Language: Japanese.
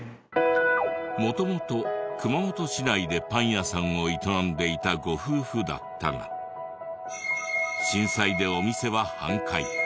元々熊本市内でパン屋さんを営んでいたご夫婦だったが震災でお店は半壊。